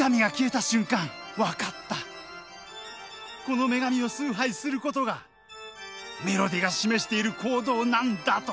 この女神を崇拝することがメロディーが示している行動なんだと。